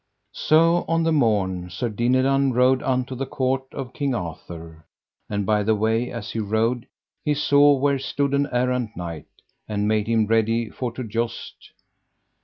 So on the morn Sir Dinadan rode unto the court of King Arthur; and by the way as he rode he saw where stood an errant knight, and made him ready for to joust.